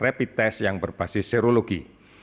rapid test yang berbasis serologi